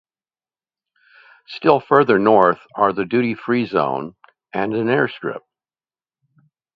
Still further north are the duty-free zone and an airstrip.